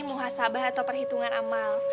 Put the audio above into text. muhasabah atau perhitungan amal